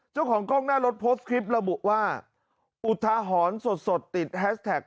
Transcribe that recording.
เจ้าของกล้องหน้ารถโพสต์คลิประบุว่าอุทหรณ์สดติดแฮสแท็ก